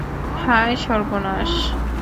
হায়, সর্বনাশ।